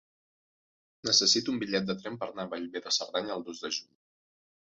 Necessito un bitllet de tren per anar a Bellver de Cerdanya el dos de juny.